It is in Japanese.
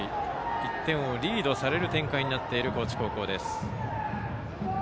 １点をリードされる展開になっている高知高校。